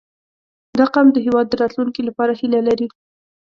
• دا قوم د هېواد د راتلونکي لپاره هیله لري.